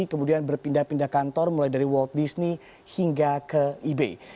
kemudian berpindah pindah kantor mulai dari walt disney hingga ke ebay